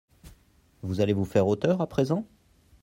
Vous allez vous faire auteur à présent ?